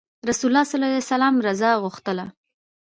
رسول الله ﷺ الله رضا غوښتله.